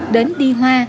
đến đi hoa